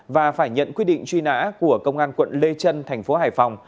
và phải nhận quyết định truy nã của công an quận lê trân thành phố hải phòng